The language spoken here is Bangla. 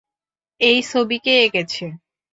এই ছবি কে এঁকেছে?